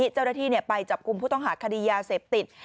เจ้าหน้าที่ไปจับกลุ่มผู้ต้องหาคดียาเสพติด